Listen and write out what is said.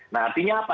nah artinya apa